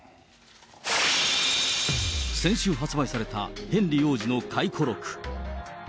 先週発売されたヘンリー王子の回顧録。